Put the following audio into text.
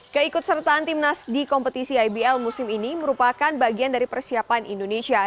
keikut sertaan timnas di kompetisi ibl musim ini merupakan bagian dari persiapan indonesia